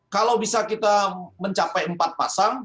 kalau bisa kita mencapai empat pasang